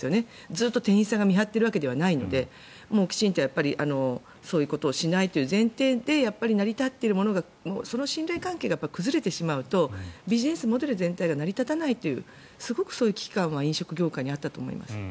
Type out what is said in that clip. ずっと店員さんが見守っているわけではないのでそういうことをしないという前提で成り立っているものがその信頼関係が崩れるとビジネスモデル全体が成り立たないという危機感は飲食業界にあったと思います。